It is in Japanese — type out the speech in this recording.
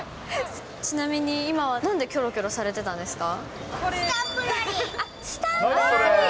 ちなみに今はなんでキョロキョロされてたんですか？